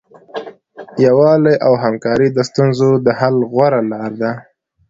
یووالی او همکاري د ستونزو د حل غوره لاره ده.